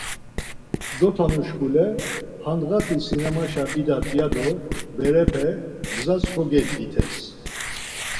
Dotanuşkule handğa ti sinemaşa bidat ya do berepe gzas kogedgites.